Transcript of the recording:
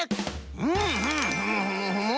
うんふむふむふむふむ。